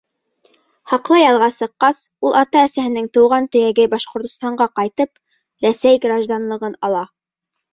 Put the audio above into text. Хаҡлы ялға сыҡҡас, ул ата-әсәһенең тыуған төйәге Башҡортостанға ҡайтып, Рәсәй гражданлығын ала.